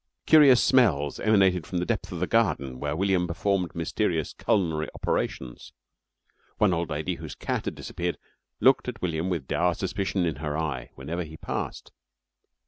Curious smells emanated from the depth of the garden where William performed mysterious culinary operations. One old lady whose cat had disappeared looked at William with dour suspicion in her eye whenever he passed.